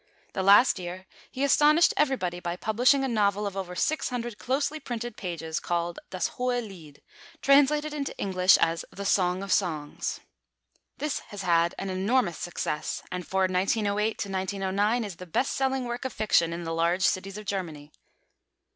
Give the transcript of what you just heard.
Then last year he astonished everybody by publishing a novel of over six hundred closely printed pages, called Das hohe Lied, translated into English as The Song of Songs. This has had an enormous success, and for 1908 1909, is the best selling work of fiction in the large cities of Germany.